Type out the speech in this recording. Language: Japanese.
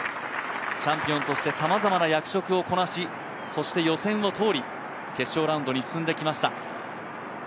チャンピオンとしてさまざまな役職をこなし、そして予選を通り決勝ラウンドに進んできました。